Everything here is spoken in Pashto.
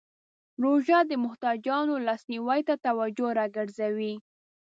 روژه د محتاجانو لاسنیوی ته توجه راګرځوي.